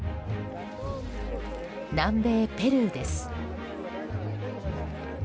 南米ペルーです。